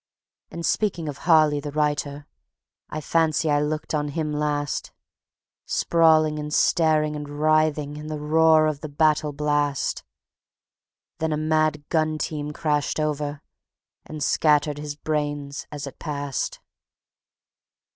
And speaking of Harley, the writer, I fancy I looked on him last, Sprawling and staring and writhing in the roar of the battle blast; Then a mad gun team crashed over, and scattered his brains as it passed.